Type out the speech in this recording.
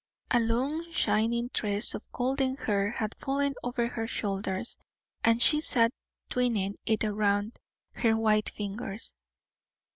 A long shining tress of golden hair had fallen over her shoulders, and she sat twining it round her white fingers.